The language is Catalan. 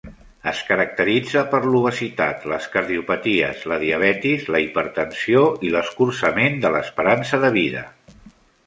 Es caracteritza per l'obesitat, les cardiopaties, la diabetis, la hipertensió i l'escurçament de l'esperança de vida.